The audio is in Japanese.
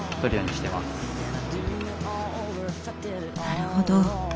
なるほど。